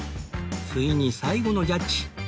ついに最後のジャッジ